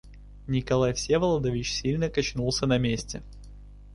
Николай Всеволодович сильно качнулся на месте.